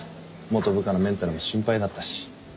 元部下のメンタルも心配だったし。